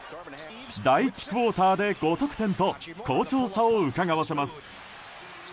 第１クオーターで５得点と好調さをうかがわせます。